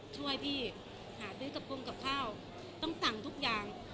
ช่วยพี่หาซื้อกระโปรงกับข้าวต้องสั่งทุกอย่าง